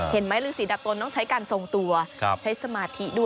เห็นไหมฤษีดับต้นน้องใช้การทรงตัวใช้สมาธิดัว